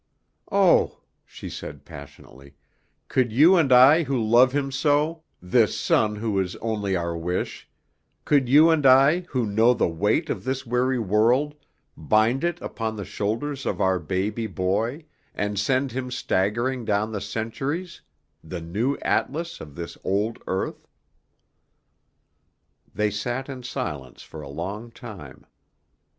Oh," she said passionately, "could you and I who love him so, this son who is only our wish, could you and I who know the weight of this weary world, bind it upon the shoulders of our baby boy, and send him staggering down the centuries, the new Atlas of this old earth?" They sat in silence for a long time.